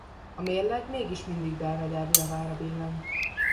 A mérleg mégis mindig Belvedere javára billen.